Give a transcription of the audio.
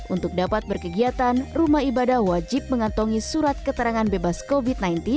untuk dapat berkegiatan rumah ibadah wajib mengantongi surat keterangan bebas covid sembilan belas